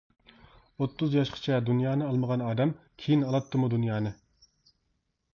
ئوتتۇز ياشقىچە دۇنيانى ئالمىغان ئادەم كىيىن ئالاتتىمۇ دۇنيانى.